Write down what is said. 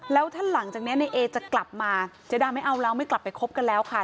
แล้วถ้าหลังจากนี้ในเอจะกลับมาเจ๊ดาไม่เอาแล้วไม่กลับไปคบกันแล้วค่ะ